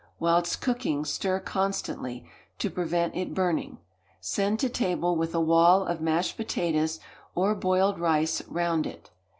Whilst cooking stir constantly, to prevent it burning. Send to table with a wall of mashed potatoes or boiled rice round it.